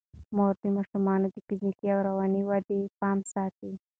مور د ماشومانو د فزیکي او رواني ودې پام ساتي.